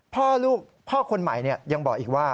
พ่อลูกพ่อคนใหม่เนี่ยยังบอกอีกว่า